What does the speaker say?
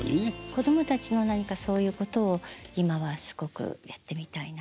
子供たちの何かそういうことを今はすごくやってみたいな。